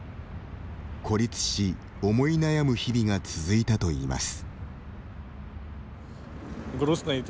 孤立し、思い悩む日々が続いたといいます。